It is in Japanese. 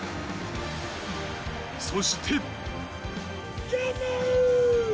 そして。